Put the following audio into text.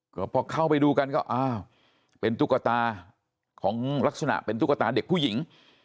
ก็พอเข้าไปดูกันก็อ้าวเป็นตุ๊กตาของลักษณะเป็นตุ๊กตาเด็กผู้หญิง